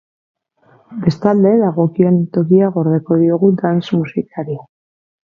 Bestalde, dagokion tokia gordeko diogu dance musikari.